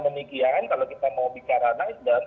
demikian kalau kita mau bicara nasdem